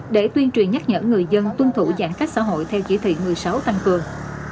để tuyên truyền nhắc nhở người dân tuân thủ giãn cách xã hội theo chỉ thị một mươi sáu tăng cường